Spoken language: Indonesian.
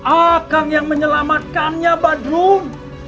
akang yang menyelamatkannya batrul